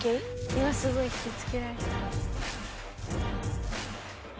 ・今すごい引きつけられた。